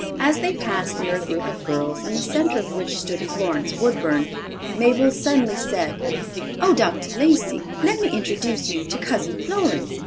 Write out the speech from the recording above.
As they passed near a group of girls, in the center of which stood Florence Woodburn, Mabel suddenly said, "Oh, Dr. Lacey, let me introduce you to cousin Florence.